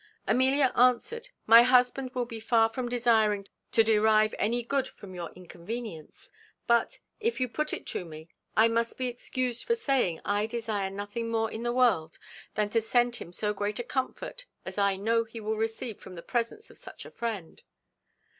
Amelia answered, "My husband will be far from desiring to derive any good from your inconvenience; but, if you put it to me, I must be excused for saying I desire nothing more in the world than to send him so great a comfort as I know he will receive from the presence of such a friend."